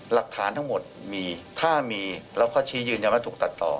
หลักฐานทั้งหมดมีถ้ามีแล้วเขาชี้ยืนยันไม่ตัดต่อ